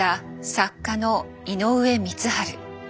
作家の井上光晴。